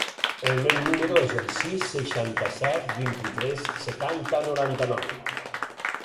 El meu número es el sis, seixanta-set, vint-i-tres, setanta, noranta-nou.